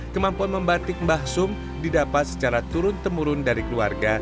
kemampuan membatik mbah sum didapat secara turun temurun dari keluarga